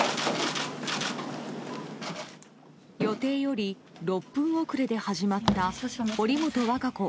予定より６分遅れで始まった堀本和歌子